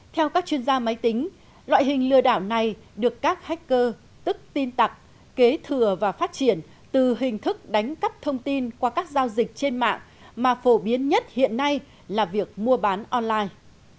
theo các chuyên gia máy tính loại hình lừa đảo này được các hacker tức tin tặc kế thừa và phát triển từ hình thức đánh cắp thông tin qua các giao dịch trên mạng mà phổ biến nhất hiện nay là việc mua bán online